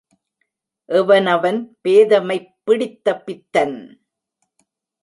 எவனவன் பேதைமைப் பிடித்தப் பித்தன்?